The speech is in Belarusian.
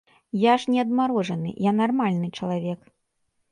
Я ж не адмарожаны, я нармальны чалавек.